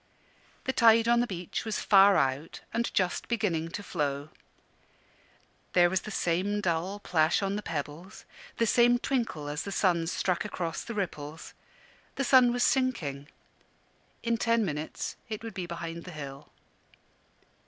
The tide on the beach was far out and just beginning to flow. There was the same dull plash on the pebbles, the same twinkle as the sun struck across the ripples. The sun was sinking; in ten minutes it would be behind the hill.